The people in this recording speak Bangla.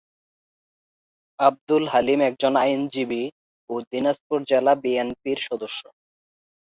আবদুল হালিম একজন আইনজীবী ও দিনাজপুর জেলা বিএনপির সদস্য।